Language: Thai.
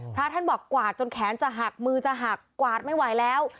พระท่านบอกกวาดจนแขนจะหักมือจะหักกวาดไม่ไหวแล้ว